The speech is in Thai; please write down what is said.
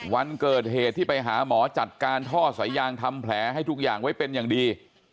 วันเกิดเหตุที่ไปหาหมอจัดการท่อสายยางทำแผลให้ทุกอย่างไว้เป็นอย่างดี